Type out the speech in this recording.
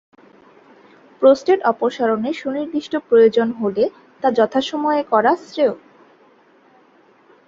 Prostate অপসারণের সুনির্দিষ্ট প্রয়োজন হলে তা যথাসময়ে করা শ্রেয়।